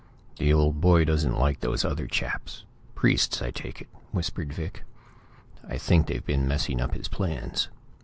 "The old boy doesn't like these other chaps; priests, I take it," whispered Vic. "I think they've been messing up his plans.